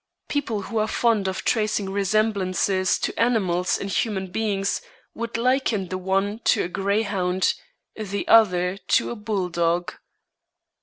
People who are fond of tracing resemblances to animals in human beings would liken the one to a grey hound, the other to a bull dog.